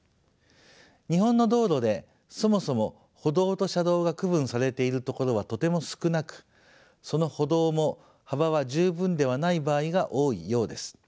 日本の道路でそもそも歩道と車道が区分されている所はとても少なくその歩道も幅は十分ではない場合が多いようです。